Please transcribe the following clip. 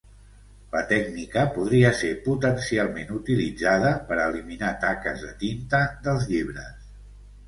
La tècnica podria ser potencialment utilitzada per a eliminar taques de tinta dels llibres.